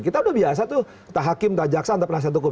kita udah biasa tuh tak hakim tak jaksa tak penasihat hukum